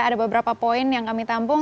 ada beberapa poin yang kami tampung